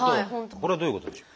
これはどういうことでしょう？